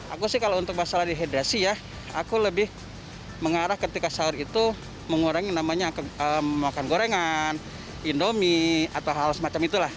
aku sih kalau untuk masalah dehidrasi ya aku lebih mengarah ketika sahur itu mengurangi namanya makan gorengan indomie atau hal semacam itulah